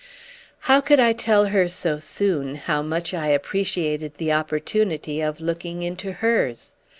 How could I tell her so soon how much I appreciated the opportunity of looking into hers?